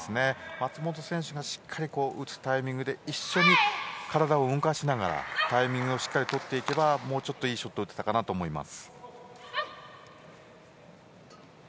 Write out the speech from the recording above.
松本選手がしっかり打つタイミングで一緒に体を動かしながらタイミングをしっかりとっていけばもうちょっといいショットを打てたかなと思います。